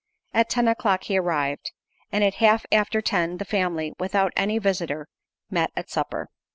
At ten o'clock he arrived; and at half after ten the family, without any visitor, met at supper.